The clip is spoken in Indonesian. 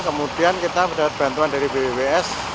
kemudian kita mendapat bantuan dari bws